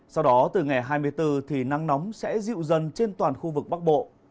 sau đó từ ngày hai mươi bốn thì nắng nóng sẽ dịu dần trên toàn khu vực bắc bộ